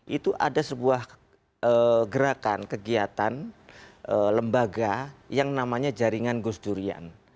itu ada sebuah gerakan kegiatan lembaga yang namanya jaringan gus durian